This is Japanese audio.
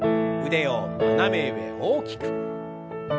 腕を斜め上大きく。